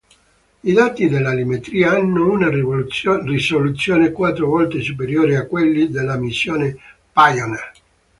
I dati dell'altimetria hanno una risoluzione quattro volte superiore a quelli della missioni "Pioneer".